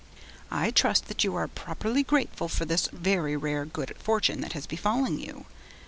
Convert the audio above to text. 'I trust that you are properly grateful for this very rare good fortune that has befallen you?